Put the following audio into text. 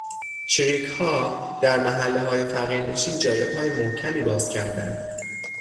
چریکها در محلههای فقیرنشین جای پای محکمی باز کردند.